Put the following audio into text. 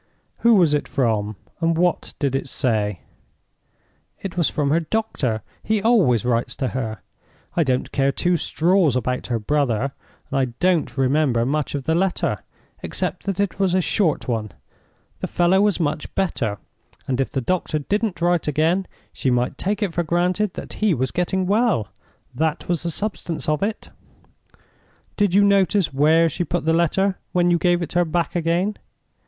"Who was it from? and what did it say?" "It was from the doctor—he always writes to her. I don't care two straws about her brother, and I don't remember much of the letter, except that it was a short one. The fellow was much better; and if the doctor didn't write again, she might take it for granted that he was getting well. That was the substance of it." "Did you notice where she put the letter when you gave it her back again?"